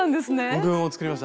僕も作りました。